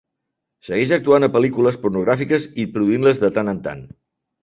Segueix actuant a pel·lícules pornogràfiques i produint-les de tant en tant.